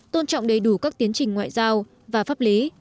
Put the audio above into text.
tôn trọng đầy đủ các tiến trình ngoại giao và pháp lý